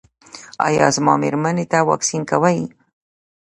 ایا زما میرمنې ته واکسین کوئ؟